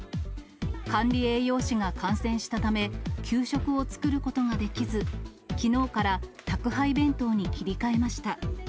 管理栄養士が感染したため、給食を作ることができず、きのうから宅配弁当に切り替えました。